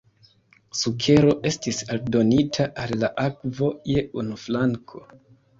Sukero estis aldonita al la akvo je unu flanko.